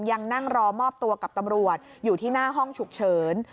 ยังนั่งรอมอบตัวกับตำรวจอยู่ที่หน้าห้องฉุกเฉิน